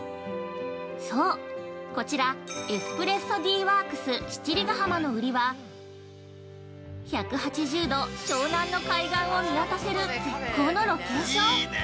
◆そう、こちら、エスプレッソ・ディー・ワークス七里ヶ浜の売りは１８０度湘南の海岸を見渡せる絶好のロケーション。